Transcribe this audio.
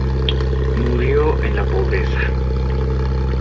Murió en la pobreza.